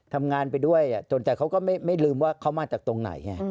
ทำงานไปด้วยจนแต่เขาก็ไม่ลืมว่าเขามาจากตรงไหน